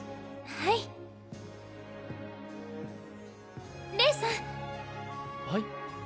はいレイさんはい？